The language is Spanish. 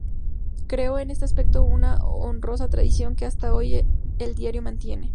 Creó en este aspecto una honrosa tradición que hasta hoy el diario mantiene.